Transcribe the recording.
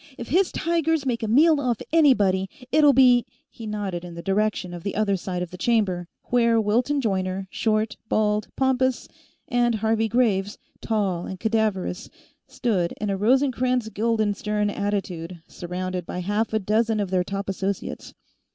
"If his tigers make a meal off anybody, it'll be " He nodded in the direction of the other side of the chamber, where Wilton Joyner, short, bald, pompous, and Harvey Graves, tall and cadaverous, stood in a Rosencrantz Guildenstern attitude, surrounded by half a dozen of their top associates.